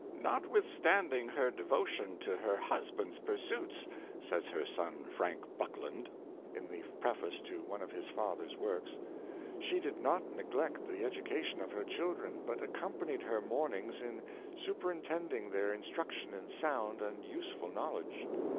" Notwith standing her devotion to her husband's pursuits," says her son, Frank Buckland, in the preface to one of his father's works, " she did not neglect the education of her children, but occupied her mornings in superintend ing their instruction in sound and useful knowledge.